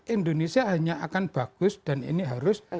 indonesia hanya akan bagus dan ini harus